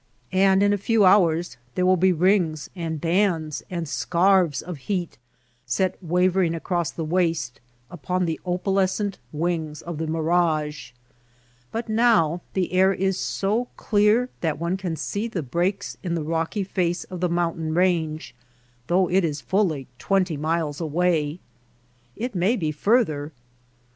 And in a few hours there will be rings and bands and scarves of heat set wavering across the waste upon the opalescent wings of the mirage ; but now the air is so clear that one can see the breaks in the rocky face of the mountain range, though it is fully twenty miles away. It may be further.